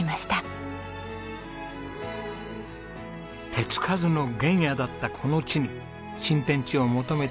手つかずの原野だったこの地に新天地を求めて開拓